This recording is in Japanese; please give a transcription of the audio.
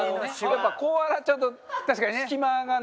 やっぱこう洗っちゃうと隙間がね。